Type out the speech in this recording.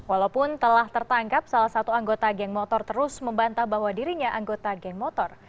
walaupun telah tertangkap salah satu anggota geng motor terus membantah bahwa dirinya anggota geng motor